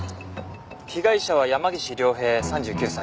被害者は山岸凌平３９歳。